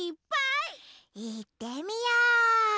いってみよう！